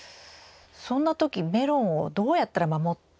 そんな時メロンをどうやったら守っていけるんですかね？